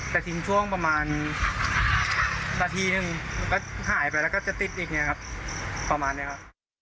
แต่ถึงช่วงประมาณนาทีหนึ่งมันก็หายไปแล้วก็จะติดอีกประมาณนี้ครับ